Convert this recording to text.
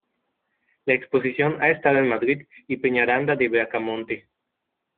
La exposición ha estado en Madrid y Peñaranda de Bracamonte.